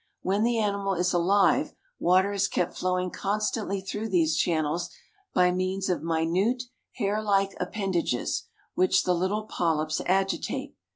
When the animal is alive water is kept flowing constantly through these channels by means of minute, hair like appendages, which the little polyps agitate.